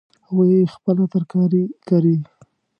هغوی خپله ترکاري کري